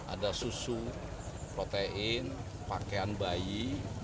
ada susu protein pakaian bayi